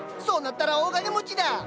そうなったら大金持ちだ！